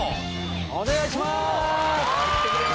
お願いしまーす。